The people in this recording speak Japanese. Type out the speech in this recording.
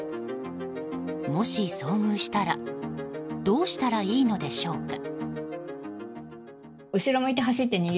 もし遭遇したらどうしたらいいのでしょうか。